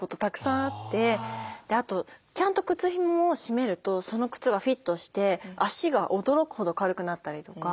あとちゃんと靴ひもを締めるとその靴がフィットして脚が驚くほど軽くなったりとか。